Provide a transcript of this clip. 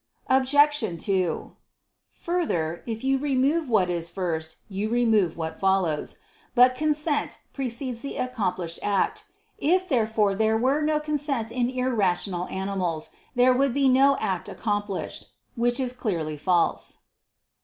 Obj. 2: Further, if you remove what is first, you remove what follows. But consent precedes the accomplished act. If therefore there were no consent in irrational animals, there would be no act accomplished; which is clearly false.